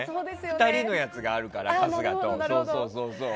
２人のやつがあるから、春日と。